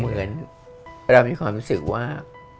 เหมือนเรามีความรู้สึกว่า